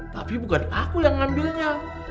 tapi bukan aku yang ngambilnya